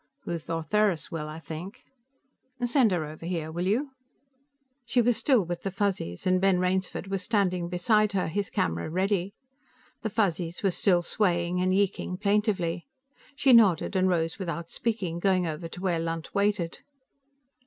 "Ruth Ortheris will, I think." "Send her over here, will you." She was still with the Fuzzies, and Ben Rainsford was standing beside her, his camera ready. The Fuzzies were still swaying and yeeking plaintively. She nodded and rose without speaking, going over to where Lunt waited.